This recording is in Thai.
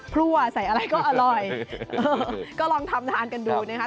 ครัวใส่อะไรก็อร่อยก็ลองทำทานกันดูนะคะ